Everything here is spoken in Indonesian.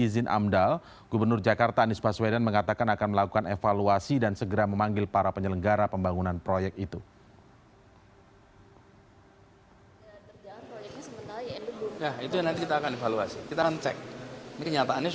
kita sekali lagi saya ingin tegaskan tata kelola itu harus dilaksanakan karena ini bagian dari akuntabilitas